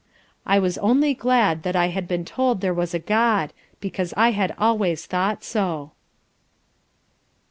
I was only glad that I had been told there was a God because I had always thought so.